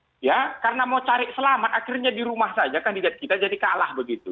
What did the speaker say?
ya karena mau cari selamat akhirnya di rumah saja kandidat kita jadi kalah begitu